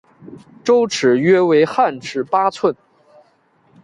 周尺约为汉尺八寸。